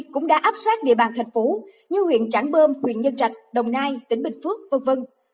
cũng đã áp sát địa bàn thành phố như huyện trảng bơm huyện nhân trạch đồng nai tỉnh bình phước v v